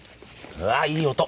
うわいい音。